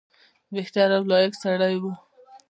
بهتر او لایق سړی وو.